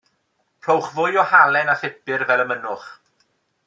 Rhowch fwy o halen a phupur fel y mynnwch.